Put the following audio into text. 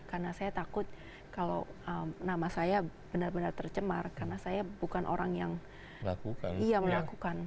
karena saya takut kalau nama saya benar benar tercemar karena saya bukan orang yang melakukan